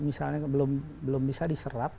misalnya belum bisa diserap